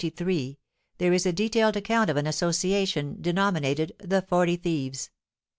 there is a detailed account of an association denominated "The Forty Thieves."